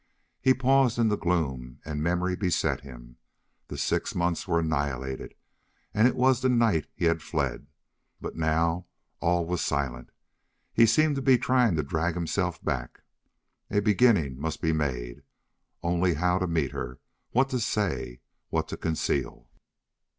He paused in the gloom and memory beset him. The six months were annihilated, and it was the night he had fled. But now all was silent. He seemed to be trying to drag himself back. A beginning must be made. Only how to meet her what to say what to conceal!